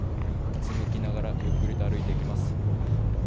うつむきながらゆっくりと歩いていきます